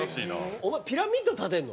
お前、ピラミッド建てるの？